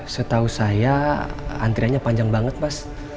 setahu saya antriannya panjang banget mas